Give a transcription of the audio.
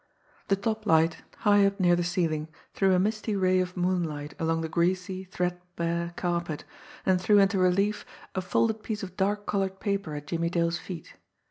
The top light, high up near the ceiling, threw a misty ray of moonlight along the greasy, threadbare carpet, and threw into relief a folded piece of dark coloured paper at Jimmie Dale's feet.